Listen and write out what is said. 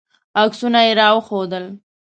عکسونه یې راوښودل.